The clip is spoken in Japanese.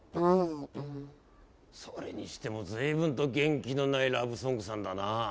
それにしても随分と元気のないラブソングさんだなぁ。